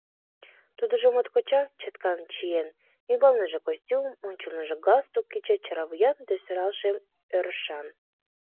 Тудыжо моткочак чаткан чиен: ӱмбалныже костюм, оҥыштыжо галстук кеча, чаравуян да сӧрал шем ӧрышан.